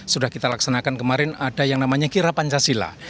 sudah kita laksanakan kemarin ada yang namanya kira pancasila